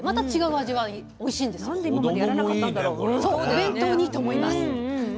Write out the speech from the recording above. お弁当にいいと思います。